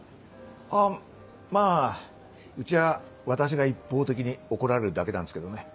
あぁまぁうちは私が一方的に怒られるだけなんですけどね。